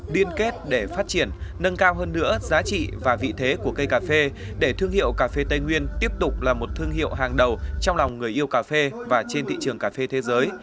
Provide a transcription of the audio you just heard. liên kết để phát triển nâng cao hơn nữa giá trị và vị thế của cây cà phê để thương hiệu cà phê tây nguyên tiếp tục là một thương hiệu hàng đầu trong lòng người yêu cà phê và trên thị trường cà phê thế giới